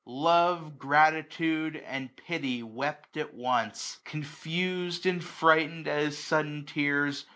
Love, gratitude, and pity wept at once. 260 Confiis'd, and frightened at his sudden tears.